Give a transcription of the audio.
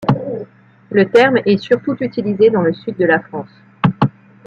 Le terme est surtout utilisé dans le sud de la France.